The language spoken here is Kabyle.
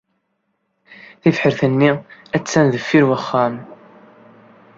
Tibḥirt-nni attan deffir wexxam.